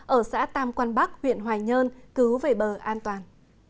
ở xã tam quan bắc huyện hoài nhơn cứu về bờ an toàn